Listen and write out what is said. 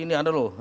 ini ada loh